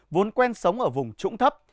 vốn quen sống ở vùng trũng thấp